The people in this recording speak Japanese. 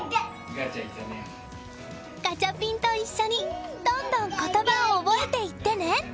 ガチャピンと一緒にどんどん言葉を覚えていってね！